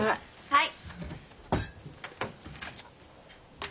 はい。